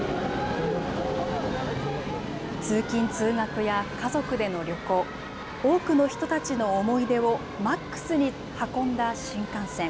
通勤・通学や家族での旅行、多くの人たちの思い出をマックスに運んだ新幹線。